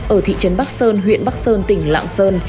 ở thị trấn bắc sơn huyện bắc sơn tỉnh lạng sơn